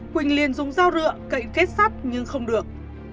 quỳnh liền dùng dao dựa cậy kết sắt nhưng không được